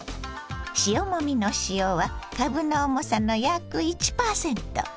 塩もみの塩はかぶの重さの約１％。